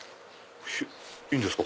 いいんですか？